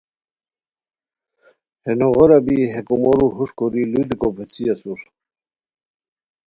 ہے نوغٔورا بی ہے کومورو ہوݰ کوری لودیکو پیڅھی اسور